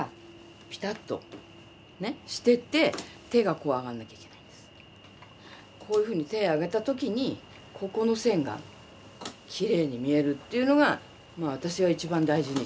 こうなった時にここがこういうふうに手を上げた時にここの線がきれいに見えるっていうのが私が一番大事にしている。